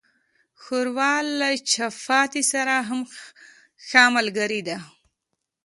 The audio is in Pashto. ښوروا له چپاتي سره هم ښه ملګری ده.